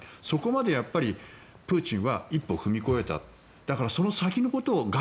そこまでプーチンは一歩踏み越えただからその先のことを。